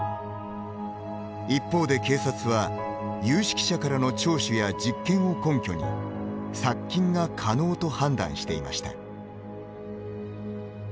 一方で、警察は有識者からの聴取や実験を根拠に殺菌が可能と判断していました。